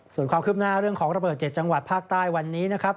ส่วนความคืบหน้าเรื่องของระเบิด๗จังหวัดภาคใต้วันนี้นะครับ